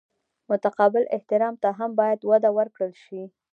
متقابل احترام ته هم باید وده ورکړل شي.